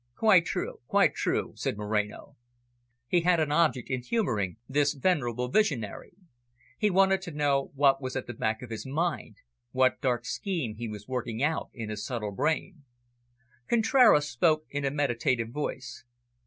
"Quite true, quite true," said Moreno. He had an object in humouring this venerable visionary. He wanted to know what was at the back of his mind, what dark scheme he was working out in his subtle brain! Contraras spoke in a meditative voice.